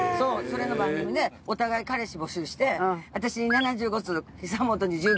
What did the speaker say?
それの番組でお互い彼氏募集して私７５通久本１９通。